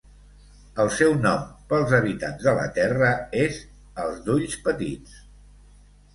El seu nom pels habitants de la Terra és "els d'ulls petits".